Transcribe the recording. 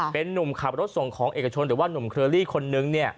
เป็นนุ่มขับรถส่งของเอกชนหรือว่านุ่มเคอรี่คนนึง